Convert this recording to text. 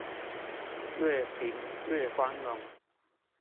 越貧越光榮！